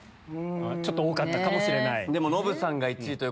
ちょっと多かったかもしれない。